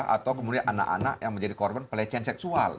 atau kemudian anak anak yang menjadi korban pelecehan seksual